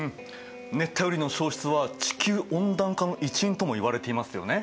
熱帯雨林の消失は地球温暖化の一因ともいわれていますよね。